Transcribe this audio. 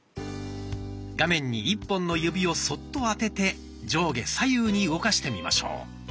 画面に１本の指をそっと当てて上下左右に動かしてみましょう。